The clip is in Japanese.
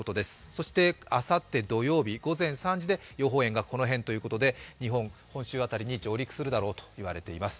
そしてあさって土曜日、午前３時で予報円がこの辺ということで、日本に今週辺りに上陸するだろうといわれています。